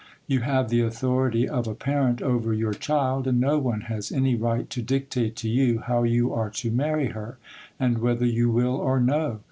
You have the authority of a parent over your child, and no one has any right to dictate to you how you are to marry her, and whether you will or no.